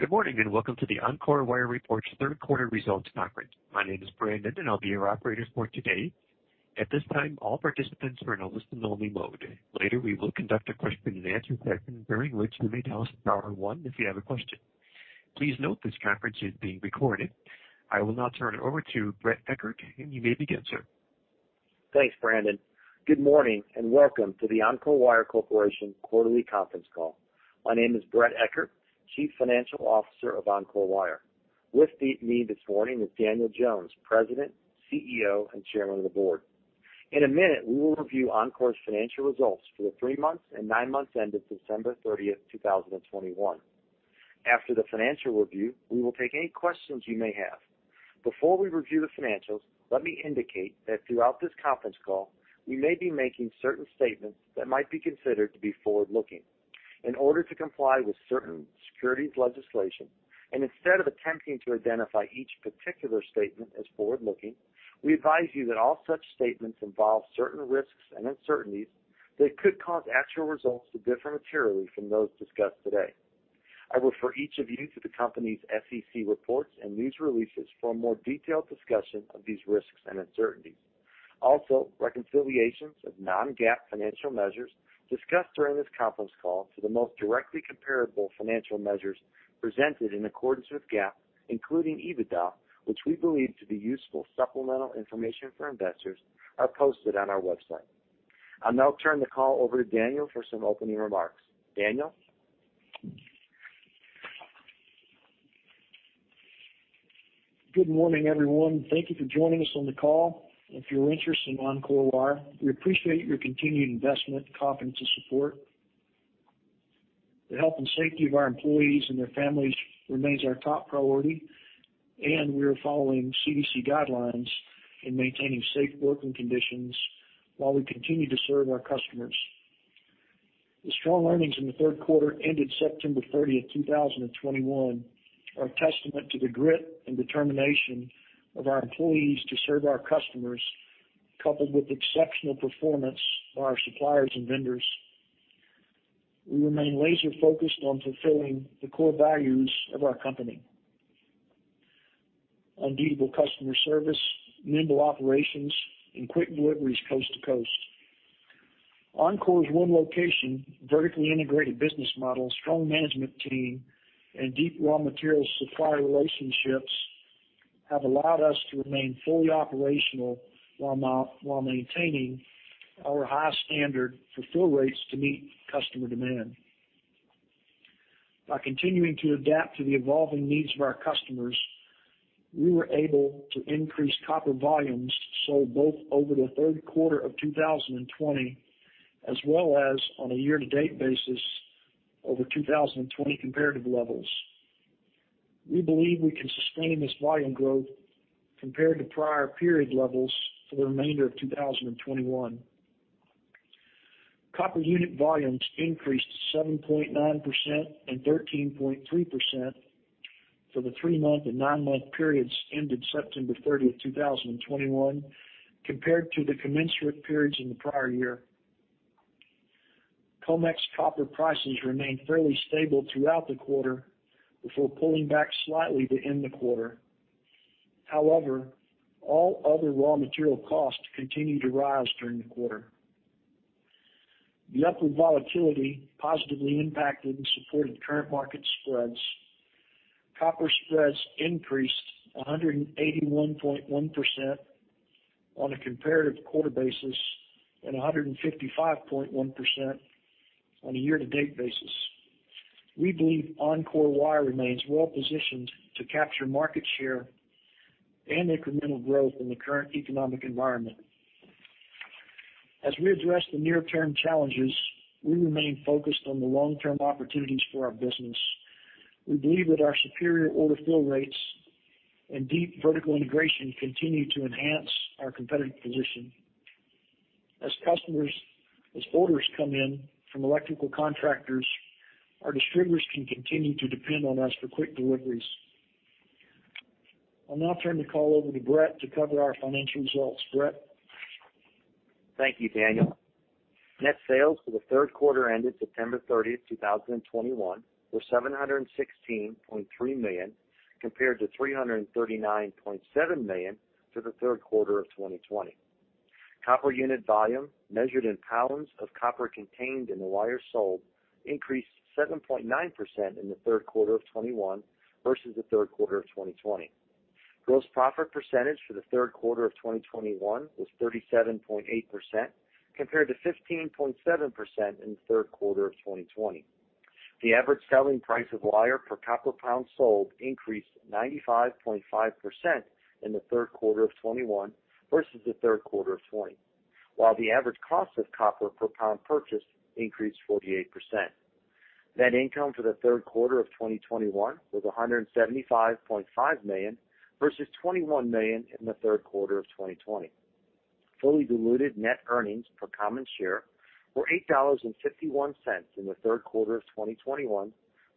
Good morning, and welcome to the Encore Wire reports third quarter results conference. My name is Brandon, and I'll be your operator for today. At this time, all participants are in a listen-only mode. Later, we will conduct a question-and-answer session, during which you may dial star one if you have a question. Please note this conference is being recorded. I will now turn it over to Bret Eckert. You may begin, sir. Thanks, Brandon. Good morning, and welcome to the Encore Wire Corporation quarterly conference call. My name is Bret Eckert, Chief Financial Officer of Encore Wire. With me this morning is Daniel Jones, President, CEO, and Chairman of the Board. In a minute, we will review Encore Wire's financial results for the three months and nine months ended September 30th, 2021. After the financial review, we will take any questions you may have. Before we review the financials, let me indicate that throughout this conference call, we may be making certain statements that might be considered to be forward-looking. In order to comply with certain securities legislation, and instead of attempting to identify each particular statement as forward-looking, we advise you that all such statements involve certain risks and uncertainties that could cause actual results to differ materially from those discussed today. I refer each of you to the company's SEC reports and news releases for a more detailed discussion of these risks and uncertainties. Also, reconciliations of non-GAAP financial measures discussed during this conference call to the most directly comparable financial measures presented in accordance with GAAP, including EBITDA, which we believe to be useful supplemental information for investors, are posted on our website. I'll now turn the call over to Daniel for some opening remarks. Daniel? Good morning, everyone. Thank you for joining us on the call. If you're interested in Encore Wire, we appreciate your continued investment, confidence, and support. The health and safety of our employees and their families remains our top priority, and we are following CDC guidelines in maintaining safe working conditions while we continue to serve our customers. The strong earnings in the third quarter ended September 30th, 2021, are a testament to the grit and determination of our employees to serve our customers, coupled with exceptional performance by our suppliers and vendors. We remain laser-focused on fulfilling the core values of our company. Unbeatable customer service, nimble operations, and quick deliveries coast to coast. Encore's one location, vertically integrated business model, strong management team, and deep raw material supplier relationships have allowed us to remain fully operational while maintaining our high standard for fill rates to meet customer demand. By continuing to adapt to the evolving needs of our customers, we were able to increase copper volumes sold both over the third quarter of 2020, as well as on a year-to-date basis over 2020 comparative levels. We believe we can sustain this volume growth compared to prior period levels for the remainder of 2021. Copper unit volumes increased 7.9% and 13.3% for the three-month and nine-month periods ended September 30, 2021, compared to the commensurate periods in the prior year. COMEX copper prices remained fairly stable throughout the quarter before pulling back slightly to end the quarter. However, all other raw material costs continued to rise during the quarter. The upward volatility positively impacted and supported current market spreads. Copper spreads increased 181.1% on a comparative quarter basis and 155.1% on a year-to-date basis. We believe Encore Wire remains well positioned to capture market share and incremental growth in the current economic environment. As we address the near-term challenges, we remain focused on the long-term opportunities for our business. We believe that our superior order fill rates and deep vertical integration continue to enhance our competitive position. As orders come in from electrical contractors, our distributors can continue to depend on us for quick deliveries. I'll now turn the call over to Bret to cover our financial results. Bret? Thank you, Daniel. Net sales for the third quarter ended September 30th, 2021, were $716.3 million, compared to $339.7 million for the third quarter of 2020. Copper unit volume, measured in pounds of copper contained in the wire sold, increased 7.9% in the third quarter of 2021 versus the third quarter of 2020. Gross profit percentage for the third quarter of 2021 was 37.8% compared to 15.7% in the third quarter of 2020. The average selling price of wire per copper pound sold increased 95.5% in the third quarter of 2021 versus the third quarter of 2020, while the average cost of copper per pound purchased increased 48%. Net income for the third quarter of 2021 was $175.5 million versus $21 million in the third quarter of 2020. Fully diluted net earnings per common share were $8.51 in the third quarter of 2021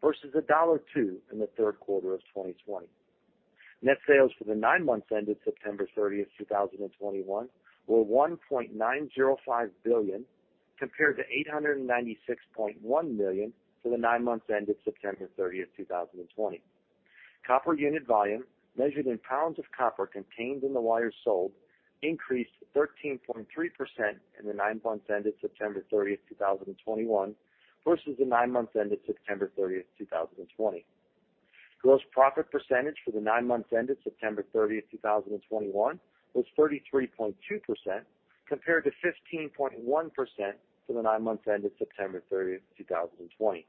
versus $1.02 in the third quarter of 2020. Net sales for the nine months ended September 30th, 2021 were $1.905 billion, compared to $896.1 million for the nine months ended September 30th, 2020. Copper unit volume measured in pounds of copper contained in the wires sold increased 13.3% in the nine months ended September 30th, 2021 versus the nine months ended September 30th, 2020. Gross profit percentage for the nine months ended September 30th, 2021 was 33.2%, compared to 15.1% for the nine months ended September 30th, 2020.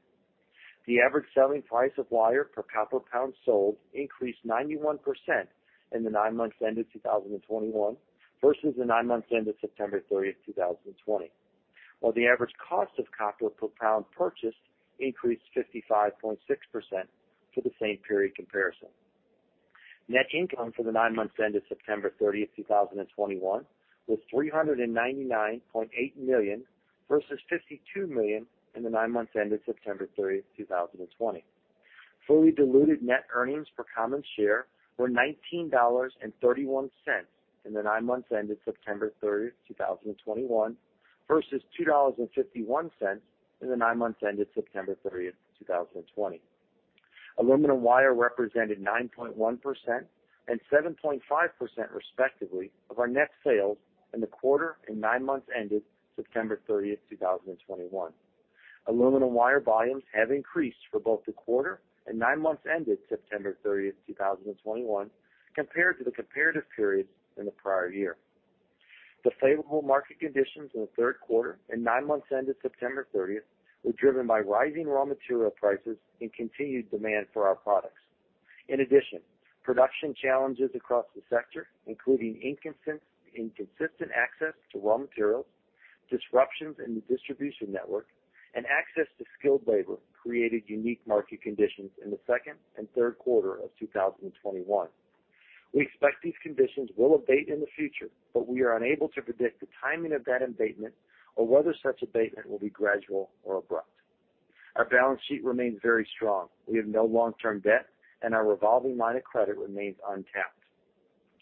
The average selling price of wire per copper pound sold increased 91% in the nine months ended September 30th, 2021 versus the nine months ended September 30th, 2020. While the average cost of copper per pound purchased increased 55.6% for the same period comparison. Net income for the nine months ended September 30th, 2021 was $399.8 million versus $52 million in the nine months ended September 30th, 2020. Fully diluted net earnings per common share were $19.31 in the nine months ended September 30th, 2021 versus $2.51 in the nine months ended September 30th, 2020. Aluminum wire represented 9.1% and 7.5% respectively of our net sales in the quarter and nine months ended September 30th, 2021. Aluminum wire volumes have increased for both the quarter and nine months ended September 30th, 2021 compared to the comparative periods in the prior year. The favorable market conditions in the third quarter and nine months ended September 30th were driven by rising raw material prices and continued demand for our products. In addition, production challenges across the sector, including inconsistent access to raw materials, disruptions in the distribution network, and access to skilled labor created unique market conditions in the second and third quarter of 2021. We expect these conditions will abate in the future, but we are unable to predict the timing of that abatement or whether such abatement will be gradual or abrupt. Our balance sheet remains very strong. We have no long-term debt, and our revolving line of credit remains untapped.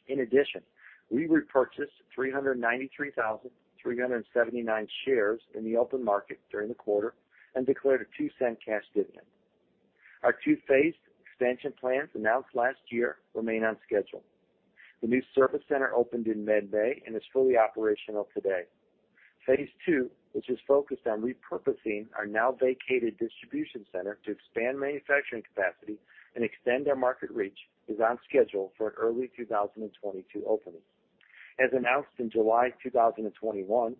In addition, we repurchased 393,379 shares in the open market during the quarter and declared a $0.02 cash dividend. Our two-phased expansion plans announced last year remain on schedule. The new service center opened in Midway and is fully operational today. Phase 2, which is focused on repurposing our now vacated distribution center to expand manufacturing capacity and extend our market reach, is on schedule for an early 2022 opening. As announced in July 2021,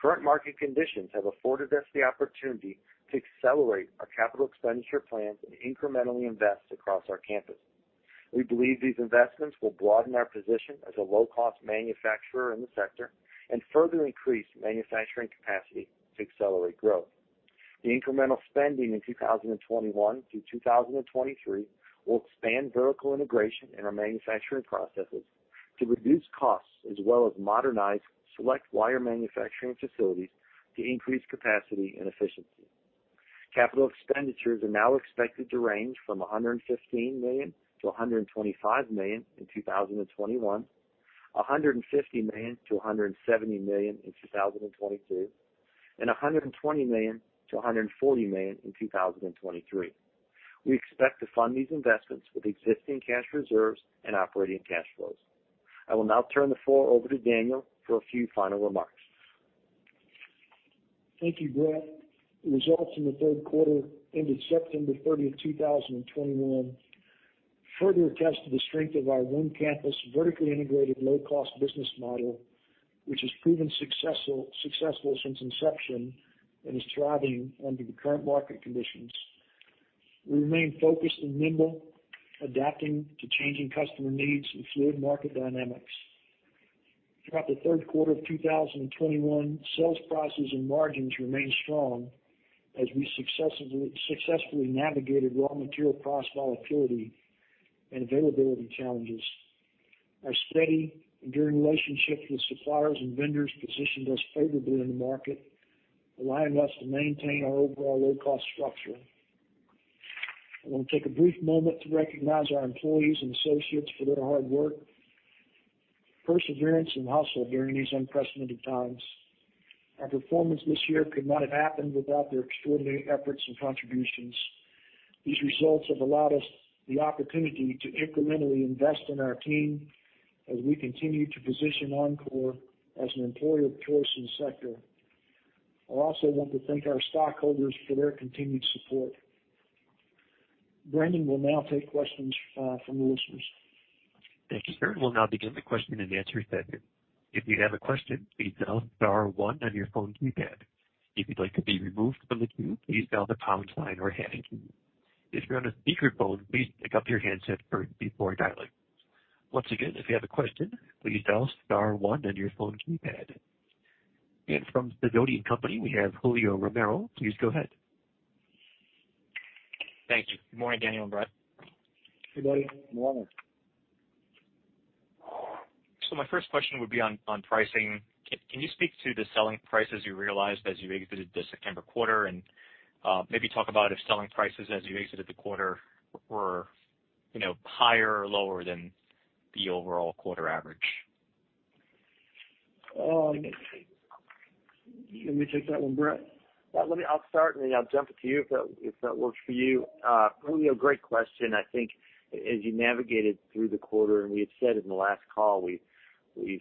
current market conditions have afforded us the opportunity to accelerate our capital expenditure plans and incrementally invest across our campus. We believe these investments will broaden our position as a low-cost manufacturer in the sector and further increase manufacturing capacity to accelerate growth. The incremental spending in 2021 through 2023 will expand vertical integration in our manufacturing processes to reduce costs, as well as modernize select wire manufacturing facilities to increase capacity and efficiency. Capital expenditures are now expected to range from $115 million-$125 million in 2021, $150 million-$170 million in 2022, and $120 million-$140 million in 2023. We expect to fund these investments with existing cash reserves and operating cash flows. I will now turn the floor over to Daniel for a few final remarks. Thank you, Bret. The results in the third quarter ended September 30, 2021 further attest to the strength of our one campus vertically integrated low cost business model, which has proven successful since inception and is thriving under the current market conditions. We remain focused and nimble, adapting to changing customer needs and fluid market dynamics. Throughout the third quarter of 2021, sales prices and margins remained strong as we successfully navigated raw material price volatility and availability challenges. Our steady, enduring relationships with suppliers and vendors positioned us favorably in the market, allowing us to maintain our overall low cost structure. I want to take a brief moment to recognize our employees and associates for their hard work, perseverance, and hustle during these unprecedented times. Our performance this year could not have happened without their extraordinary efforts and contributions. These results have allowed us the opportunity to incrementally invest in our team as we continue to position Encore Wire as an employer of choice in the sector. I also want to thank our stockholders for their continued support. Brandon will now take questions from the listeners. Thank you, sir. We'll now begin the question and answer session. If you have a question, please dial star one on your phone keypad. If you'd like to be removed from the queue, please dial the pound sign or hash key. If you're on a speakerphone, please pick up your handset first before dialing. Once again, if you have a question, please dial star one on your phone keypad. From Sidoti & Company, we have Julio Romero. Please go ahead. Thank you. Good morning, Daniel and Bret. Hey, buddy. Good morning. My first question would be on pricing. Can you speak to the selling prices you realized as you exited the September quarter? Maybe talk about if selling prices as you exited the quarter were, you know, higher or lower than the overall quarter average. You wanna take that one, Bret? Let me start, and then I'll jump it to you if that works for you. Julio, great question. I think as you navigated through the quarter, and we had said in the last call, we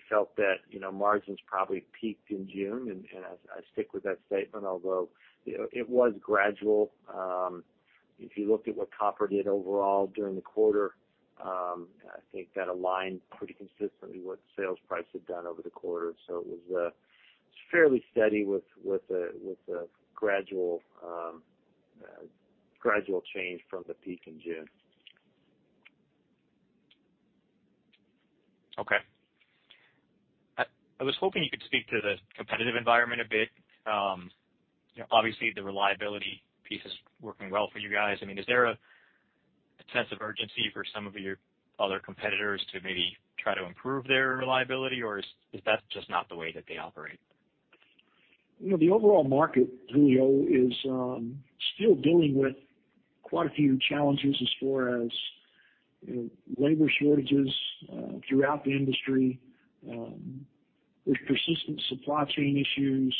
felt that, you know, margins probably peaked in June, and I stick with that statement, although, you know, it was gradual. If you looked at what copper did overall during the quarter, I think that aligned pretty consistently with what the sales price had done over the quarter. It was fairly steady with a gradual change from the peak in June. Okay. I was hoping you could speak to the competitive environment a bit. You know, obviously, the reliability piece is working well for you guys. I mean, is there a sense of urgency for some of your other competitors to maybe try to improve their reliability, or is that just not the way that they operate? You know, the overall market, Julio, is still dealing with quite a few challenges as far as, you know, labor shortages throughout the industry. There's persistent supply chain issues.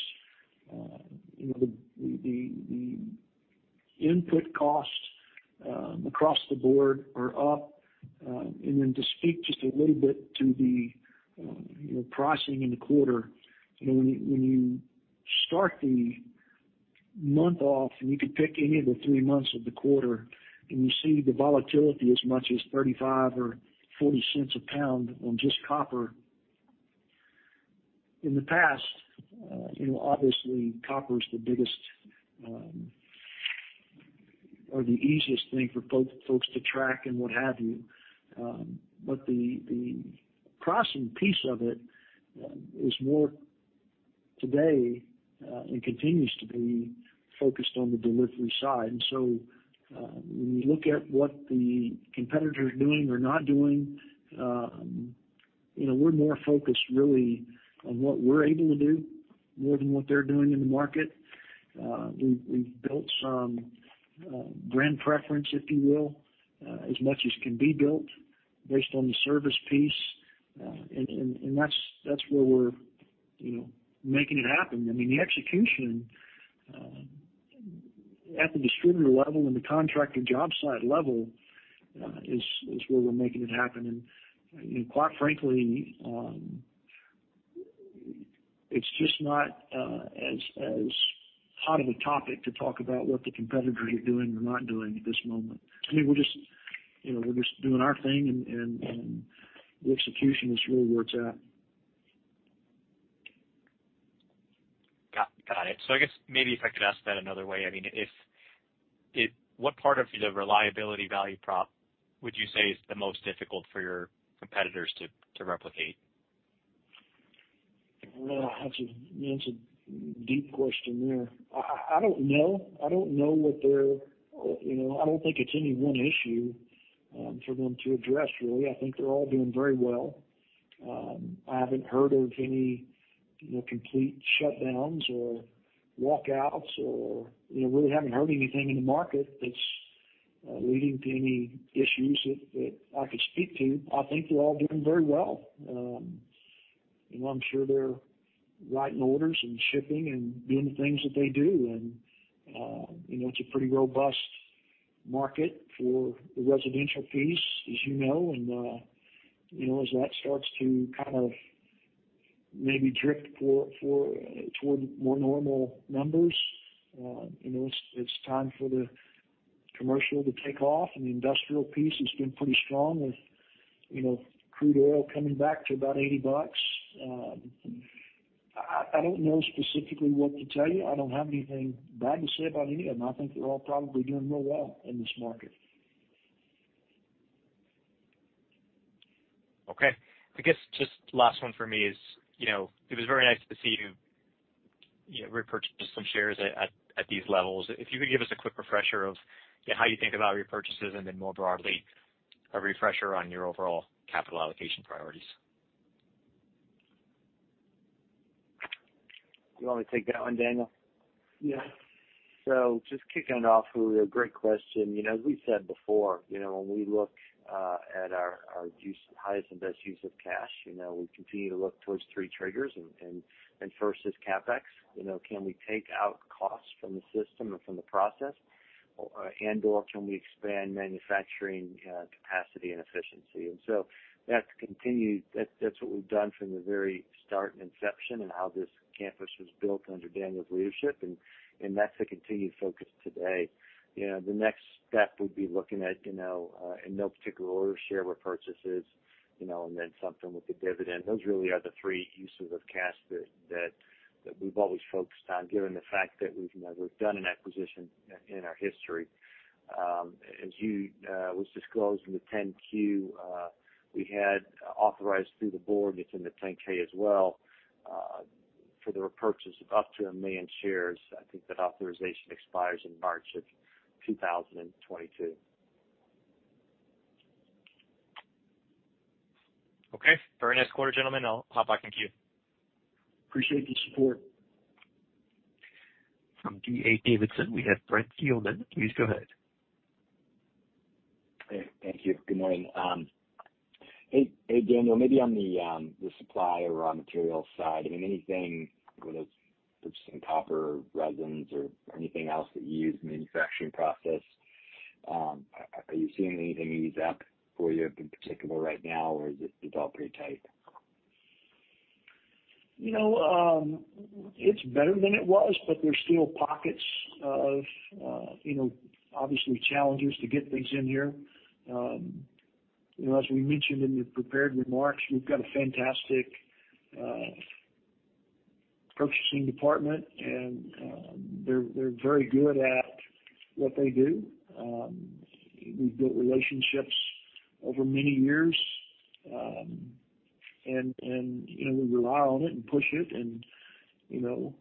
You know, the input costs across the board are up. To speak just a little bit to the, you know, pricing in the quarter, you know, when you start the month off, and you can pick any of the three months of the quarter, and you see the volatility as much as $0.35 or $0.40 a pound on just copper. In the past, you know, obviously copper is the biggest or the easiest thing for folks to track and what have you. The pricing piece of it is more today and continues to be focused on the delivery side. When you look at what the competitors are doing or not doing, you know, we're more focused really on what we're able to do, more than what they're doing in the market. We've built some brand preference, if you will, as much as can be built based on the service piece. That's where we're, you know, making it happen. I mean, the execution at the distributor level and the contracted job site level is where we're making it happen. You know, quite frankly, it's just not as hot of a topic to talk about what the competitors are doing or not doing at this moment. I mean, we're just, you know, we're just doing our thing and the execution is really where it's at. Got it. I guess maybe if I could ask that another way. I mean, what part of the reliability value prop would you say is the most difficult for your competitors to replicate? Well, that's a deep question there. I don't know. I don't know what they're, you know. I don't think it's any one issue for them to address, really. I think they're all doing very well. I haven't heard of any, you know, complete shutdowns or walkouts or, you know, really haven't heard anything in the market that's leading to any issues that I could speak to. I think they're all doing very well. You know, I'm sure they're writing orders and shipping and doing the things that they do. You know, it's a pretty robust market for the residential piece, as you know. You know, as that starts to kind of maybe drift for toward more normal numbers, you know, it's time for the commercial to take off, and the industrial piece has been pretty strong with, you know, crude oil coming back to about $80. I don't know specifically what to tell you. I don't have anything bad to say about any of them. I think they're all probably doing real well in this market. Okay. I guess just last one for me is, you know, it was very nice to see you know, repurchase some shares at these levels. If you could give us a quick refresher of, you know, how you think about repurchases and then more broadly, a refresher on your overall capital allocation priorities. You want me to take that one, Daniel? Yeah. Just kicking it off, Julio, great question. You know, as we said before, you know, when we look at our use, highest and best use of cash, you know, we continue to look towards three triggers. First is CapEx. You know, can we take out costs from the system or from the process, or and/or can we expand manufacturing capacity and efficiency? That's continued. That's what we've done from the very start and inception, and how this campus was built under Daniel's leadership, and that's the continued focus today. You know, the next step would be looking at, you know, in no particular order, share repurchases, you know, and then something with the dividend. Those really are the three uses of cash that we've always focused on, given the fact that we've never done an acquisition in our history. As was disclosed in the 10-Q, we had authorized through the board. It's in the 10-K as well. For the repurchase of up to 1 million shares, I think that authorization expires in March of 2022. Okay. Very nice quarter, gentlemen. I'll hop back in queue. Appreciate the support. From D.A. Davidson we have Brent Thielman. Please go ahead. Thank you. Good morning. Hey, Daniel. Maybe on the supply or raw material side, I mean, anything, whether it's purchasing copper resins or anything else that you use in the manufacturing process, are you seeing anything ease up for you in particular right now, or is it all pretty tight? You know, it's better than it was, but there's still pockets of, you know, obviously challenges to get things in here. You know, as we mentioned in the prepared remarks, we've got a fantastic purchasing department, and they're very good at what they do. We've built relationships over many years, and you know, we rely on it and push it and, you know,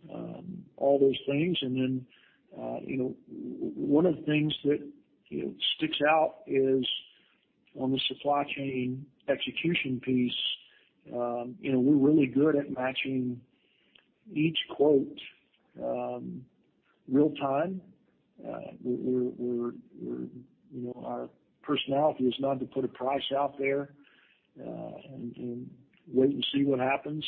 all those things. You know, one of the things that you know sticks out is on the supply chain execution piece, you know, we're really good at matching each quote real-time. We're, you know, our personality is not to put a price out there, and wait and see what happens.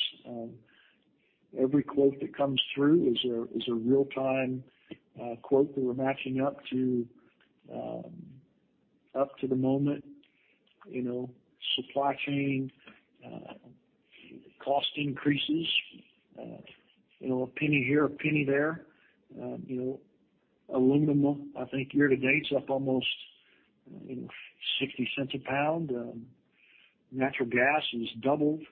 Every quote that comes through is a real-time quote that we're matching up to the moment, you know, supply chain cost increases, you know, a penny here, a penny there. You know, aluminum, I think year-to-date, is up almost $0.60 a pound. Natural gas is doubled.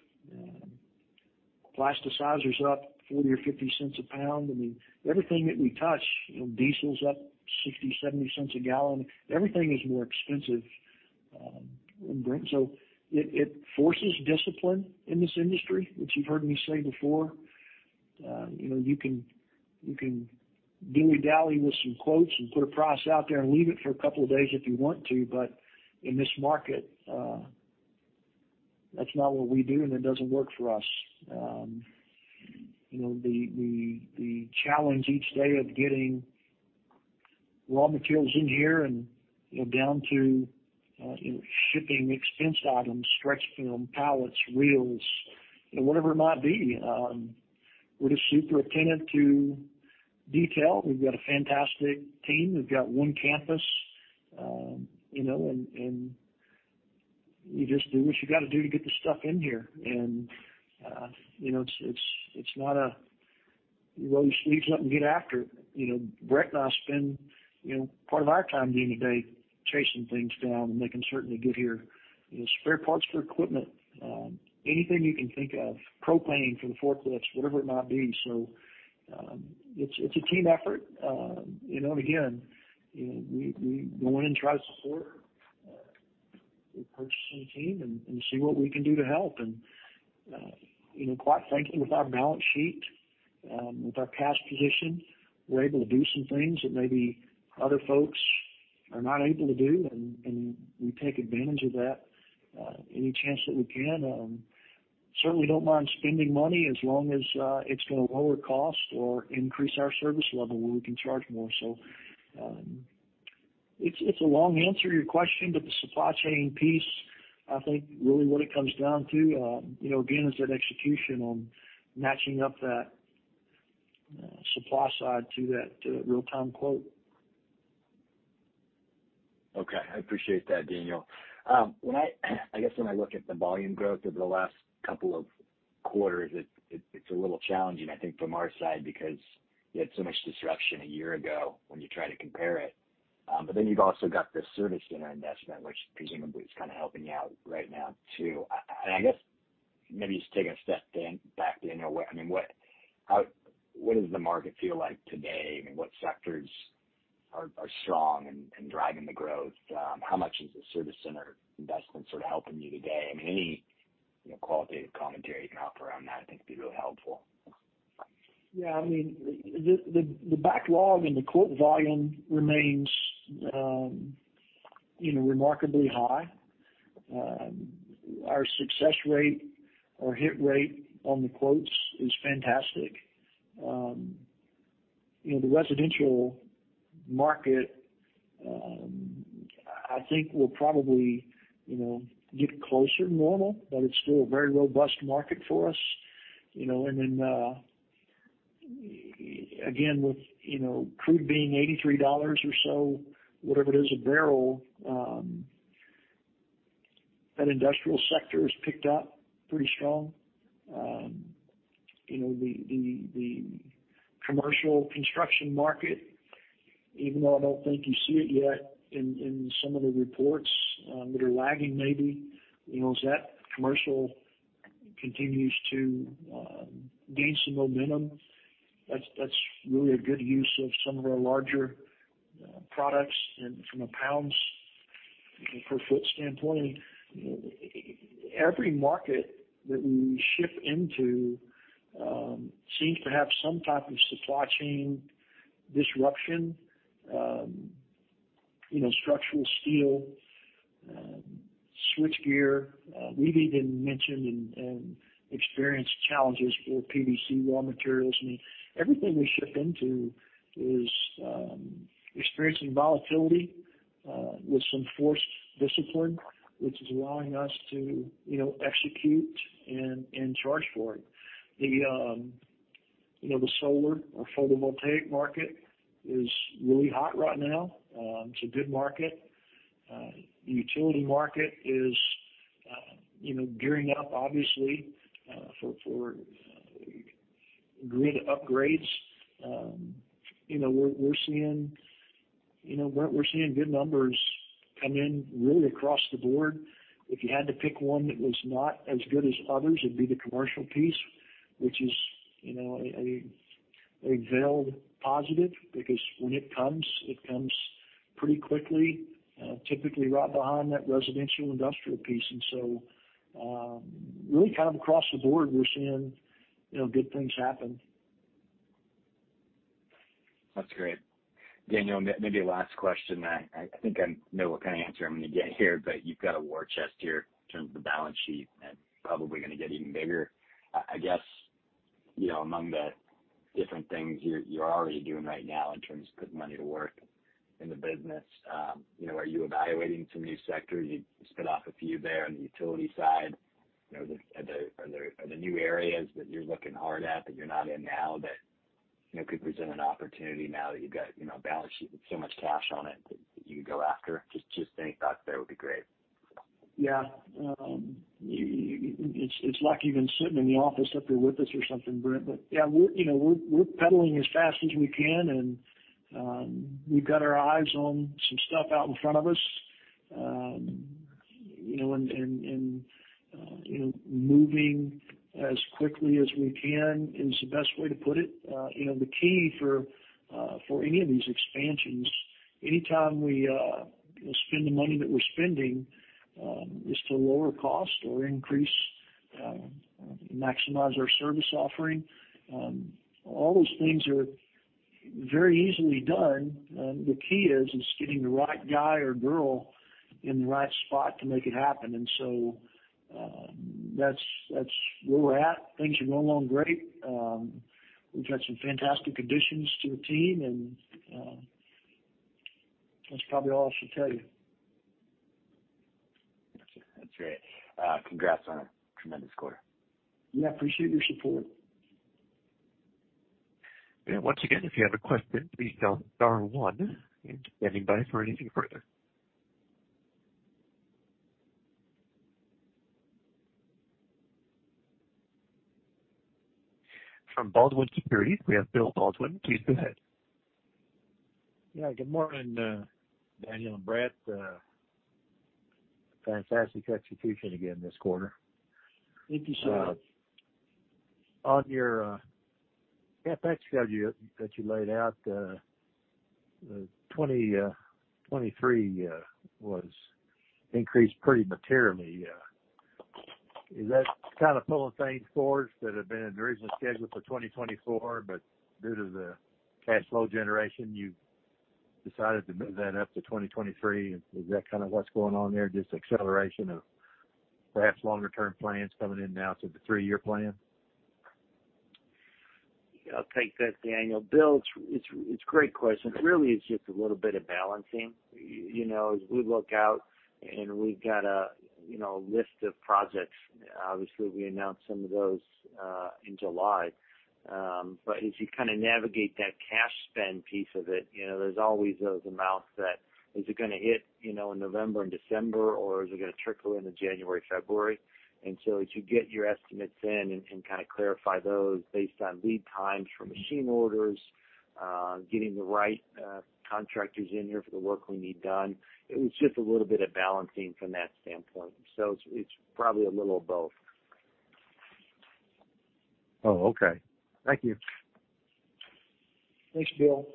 Plasticizer is up $0.40 or $0.50 a pound. I mean, everything that we touch, you know, diesel's up $0.60-$0.70 a gallon. Everything is more expensive than before. It forces discipline in this industry, which you've heard me say before. You know, you can dilly-dally with some quotes and put a price out there and leave it for a couple of days if you want to, but in this market, that's not what we do, and it doesn't work for us. You know, the challenge each day of getting raw materials in here and, you know, down to, shipping expense items, stretch film, pallets, wheels, you know, whatever it might be, we're just super attentive to detail. We've got a fantastic team. We've got one campus, you know, you just do what you gotta do to get the stuff in here. You know, it's not a roll your sleeves up and get after it. You know, Bret and I spend, you know, part of our time during the day chasing things down, and they can certainly get here. You know, spare parts for equipment, anything you can think of, propane for the forklifts, whatever it might be. It's a team effort. You know, you know, we go in and try to support the purchasing team and see what we can do to help. You know, quite frankly, with our balance sheet, with our cash position, we're able to do some things that maybe other folks are not able to do, and we take advantage of that any chance that we can. Certainly don't mind spending money as long as it's gonna lower cost or increase our service level where we can charge more. It's a long answer to your question, but the supply chain piece, I think really what it comes down to, you know, again, is that execution on matching up that supply side to that real-time quote. Okay. I appreciate that, Daniel. I guess when I look at the volume growth over the last couple of quarters, it's a little challenging, I think, from our side because you had so much disruption a year ago when you try to compare it. You've also got the service center investment, which presumably is kinda helping you out right now, too. I guess maybe just taking a step back, Daniel. I mean, what does the market feel like today? I mean, what sectors are strong and driving the growth? How much is the service center investment sorta helping you today? I mean, any you know, qualitative commentary you can offer around that I think would be really helpful. Yeah. I mean, the backlog and the quote volume remains, you know, remarkably high. Our success rate or hit rate on the quotes is fantastic. You know, the residential market, I think will probably, you know, get closer to normal, but it's still a very robust market for us, you know. Then, again, with, you know, crude being $83 or so, whatever it is, a barrel, that industrial sector has picked up pretty strong. You know, the commercial construction market, even though I don't think you see it yet in some of the reports that are lagging maybe, you know, as that commercial continues to gain some momentum, that's really a good use of some of our larger products and from a pounds per foot standpoint, you know, every market that we ship into seems to have some type of supply chain disruption. You know, structural steel, switchgear, we've even mentioned and experienced challenges for PVC raw materials. I mean, everything we ship into is experiencing volatility with some forced discipline, which is allowing us to, you know, execute and charge for it. The solar or photovoltaic market is really hot right now. It's a good market. The utility market is, you know, gearing up obviously for grid upgrades. You know, we're seeing good numbers come in really across the board. If you had to pick one that was not as good as others, it'd be the commercial piece, which is, you know, a veiled positive because when it comes, it comes pretty quickly, typically right behind that residential industrial piece. Really kind of across the board, we're seeing, you know, good things happen. That's great. Daniel, maybe a last question. I think I know what kind of answer I'm gonna get here, but you've got a war chest here in terms of the balance sheet and probably gonna get even bigger. I guess, you know, among the different things you're already doing right now in terms of putting money to work in the business, you know, are you evaluating some new sectors? You spit off a few there on the utility side. You know, are there new areas that you're looking hard at that you're not in now that, you know, could present an opportunity now that you've got, you know, a balance sheet with so much cash on it that you can go after? Just any thoughts there would be great. Yeah. It's like you've been sitting in the office up there with us or something, Brent. Yeah, you know, we're pedaling as fast as we can, and we've got our eyes on some stuff out in front of us. You know, moving as quickly as we can is the best way to put it. You know, the key for any of these expansions, anytime we you know, spend the money that we're spending, is to lower cost or increase, maximize our service offering. All those things are very easily done. The key is getting the right guy or girl in the right spot to make it happen. That's where we're at. Things are going along great. We've had some fantastic additions to the team and that's probably all I should tell you. That's great. Congrats on a tremendous quarter. Yeah. Appreciate your support. Yeah. Once again, if you have a question, please dial star one. Standing by for anything further. From Baldwin Anthony Securities, we have Bill Baldwin. Please go ahead. Yeah. Good morning, Daniel and Bret. Fantastic execution again this quarter. Thank you, sir. On your CapEx guide that you laid out, the 2023 was increased pretty materially. Is that kind of pulling things forward that had been in the original schedule for 2024, but due to the cash flow generation, you decided to move that up to 2023? Is that kind of what's going on there, just acceleration of perhaps longer-term plans coming in now to the three-year plan? I'll take that, Daniel. Bill, it's a great question. Really, it's just a little bit of balancing. You know, as we look out and we've got a list of projects, obviously, we announced some of those in July. But as you kind of navigate that cash spend piece of it, you know, there's always those amounts that is it gonna hit, you know, in November and December, or is it gonna trickle into January, February? You get your estimates in and kind of clarify those based on lead times for machine orders, getting the right contractors in here for the work we need done, it was just a little bit of balancing from that standpoint. It's probably a little of both. Oh, okay. Thank you. Thanks, Bill.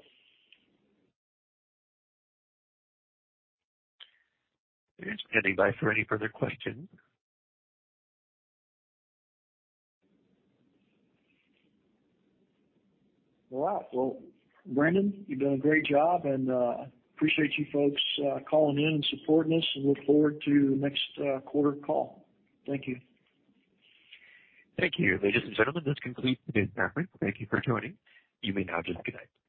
Standing by for any further questions. All right. Well, Brandon, you've done a great job, and appreciate you folks calling in and supporting us and look forward to the next quarter call. Thank you. Thank you. Ladies and gentlemen, this concludes the conference. Thank you for joining. You may now disconnect.